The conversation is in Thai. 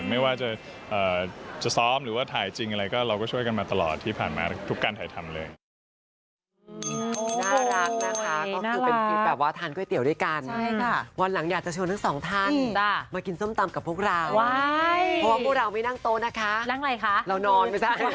ไม่ว่าจะซ้อมหรือว่าถ่ายจริงอะไรก็เราก็ช่วยกันมาตลอดที่ผ่านมาทุกการถ่ายทำเลย